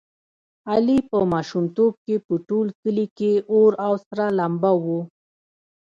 علي په ماشومتوب کې په ټول کلي کې اور او سره لمبه و.